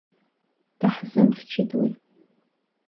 Даҳзымхьчеит уи.